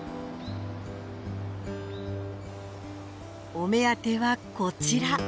お目当てはこちら。